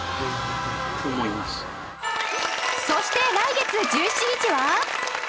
そして来月１７日は